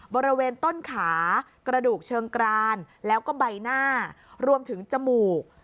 บริเวณต้นขากระดูกเชิงกรานแล้วก็ใบหน้ารวมถึงจมูก